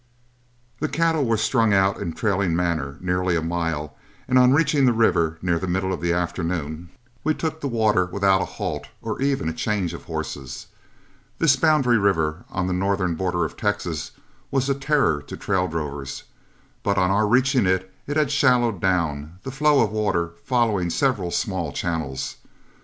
The cattle were strung out in trailing manner nearly a mile, and on reaching the river near the middle of the afternoon, we took the water without a halt or even a change of horses. This boundary river on the northern border of Texas was a terror to trail drovers, but on our reaching it, it had shallowed down, the flow of water following several small channels.